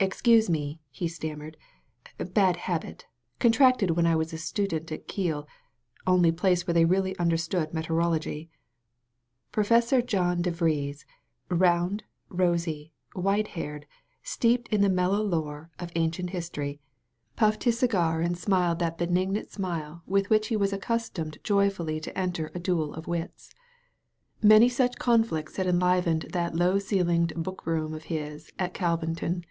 "Excuse me," he stammered; "bad habit, con tracted when I was a student at Kiel— only place where they really understood metallurgy." Professor John De Vries, round, rosy, white haired, steeped in the mellow lore of ancient his tory, puffed his cigar and smiled that benignant 185 THE VALLEY OP VISION smile with which he was accustomed joyfully to enter a duel of wits. Many such conflicts had en livened that low ceilinged book room (tf his at Cal vinton.